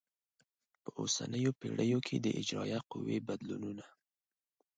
په اوسنیو پیړیو کې د اجرایه قوې بدلونونه